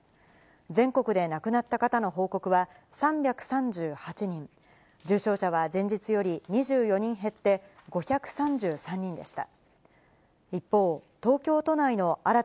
全国で亡くなった方の報告は３３８人、重症者は前日より２４人減って５３３人でした。